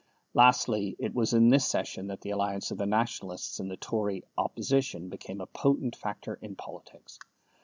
Lastly: it was in this session that the alliance of the Nationalists and the Tory Opposition became a potent factor in politics.